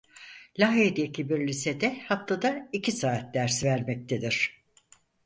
Lahey'deki bir lisede haftada iki saat ders vermektedir.